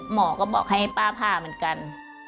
หมอก็บอกให้ป้าผ่าเหมือนกัน